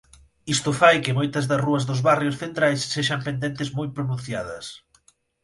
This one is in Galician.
Isto fai que moitas das rúas dos barrios centrais sexan pendentes moi pronunciadas.